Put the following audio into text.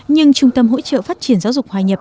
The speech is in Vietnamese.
nhưng trung tâm hỗ trợ phát triển giáo dục hòa nhập